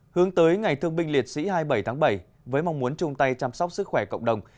hướng tới ngày thương binh liệt sĩ hai mươi bảy tháng bảy với mong muốn chung tay chăm sóc sức khỏe cộng đồng